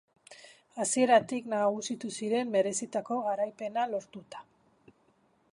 Hasieratik nagusitu ziren merezitako garaipena lortuta.